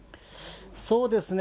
そうですね。